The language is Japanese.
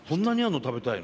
食べたいの。